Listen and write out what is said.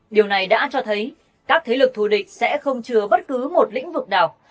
điều này đã cho thấy các thế lực thù địch sẽ không chừa bất cứ một lĩnh vực nào